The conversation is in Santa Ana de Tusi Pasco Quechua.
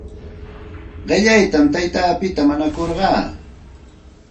Qillaytam taytapita mañakurqaa.